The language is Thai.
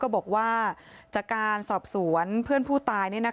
บอกว่าจากการสอบสวนเพื่อนผู้ตาย